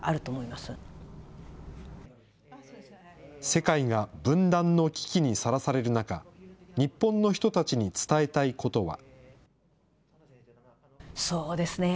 世界が分断の危機にさらされる中、日本の人たちに伝えたいことは。